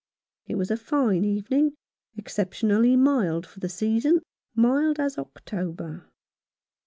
It was a fine evening, exceptionally mild for the season, mild as October.